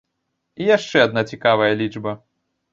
І яшчэ адна цікавая лічба.